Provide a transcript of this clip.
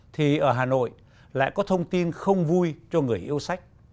thì ở hà nội lại có thông tin không vui cho người yêu sách